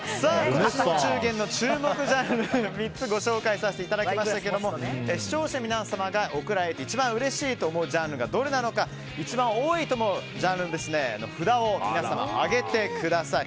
今年のお中元の注目ジャンルを３つご紹介させていただきましたが視聴者の皆様が贈られて一番うれしいと思うジャンルがどれなのか一番多いと思うジャンルの札を皆様上げてください。